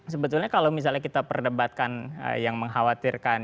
sebetulnya kalau misalnya kita perdebatkan yang mengkhawatirkan